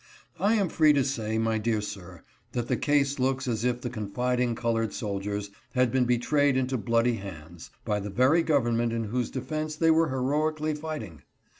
I am free to say, my dear sir, that the case looks as if the confiding colored soldiers had been betrayed into bloody hands by the very government in whose defense they were heroically fight ing.